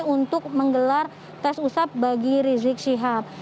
untuk menggelar tes usaha bagi rizik shihab